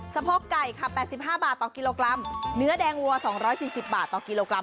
สะพอกไก่ค่ะแปดสิบห้าบาทต่อกิโลกรัมเนื้อแดงวัวสองร้อยสิบบาทต่อกิโลกรัม